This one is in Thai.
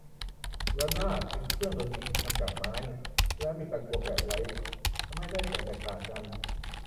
ระนาด เป็นเครื่องดนตรีทำจากไม้ แล้วมีตะกั่วแปะไว้ ทำให้ได้เสียงแตกต่างกัน